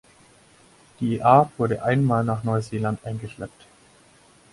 Die Art wurde einmal nach Neuseeland eingeschleppt.